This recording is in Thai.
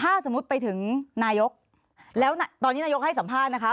ถ้าสมมุติไปถึงนายกแล้วตอนนี้นายกให้สัมภาษณ์นะคะ